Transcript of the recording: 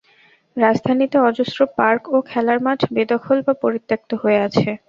রাজধানীতে অজস্র পার্ক ও খেলার মাঠ বেদখল বা পরিত্যক্ত হয়ে আছে।